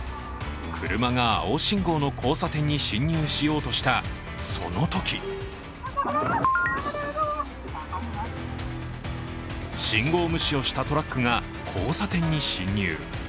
車が青信号の交差点に進入しようとした、そのとき信号無視をしたトラックが交差点に進入。